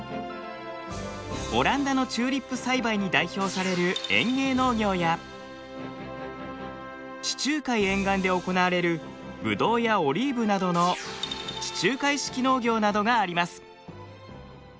オランダのチューリップ栽培に代表される園芸農業や地中海沿岸で行われるブドウやオリーブなどの地中海式農業などがあります。